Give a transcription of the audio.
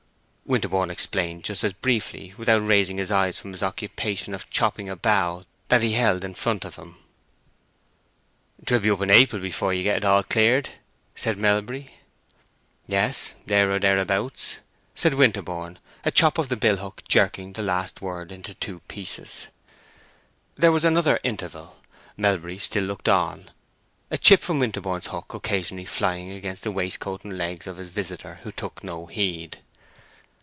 Winterborne explained just as briefly, without raising his eyes from his occupation of chopping a bough that he held in front of him. "'Twill be up in April before you get it all cleared," said Melbury. "Yes, there or thereabouts," said Winterborne, a chop of the billhook jerking the last word into two pieces. There was another interval; Melbury still looked on, a chip from Winterborne's hook occasionally flying against the waistcoat and legs of his visitor, who took no heed.